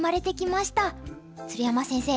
鶴山先生